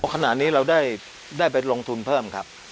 ขณะนี้เราได้ไปลงทุนเพิ่มครับ